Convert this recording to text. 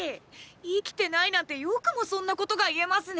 生きてないなんてよくもそんなことが言えますね！！